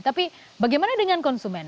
tapi bagaimana dengan konsumen